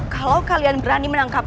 kalau kalian berani menangkapku